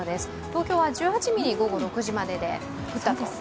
東京は１８ミリ、午後６時までで降ったと。